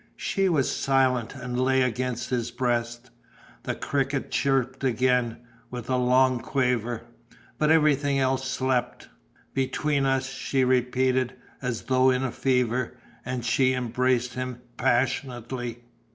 She was silent and lay against his breast. The cricket chirped again, with a long quaver. But everything else slept.... "Between us," she repeated, as though in a fever; and she embraced him passionately.